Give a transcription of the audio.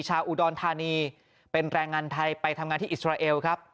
ชาวอุดรธานีเป็นแรงงานไทยไปทำงานที่อิสราเอลครับ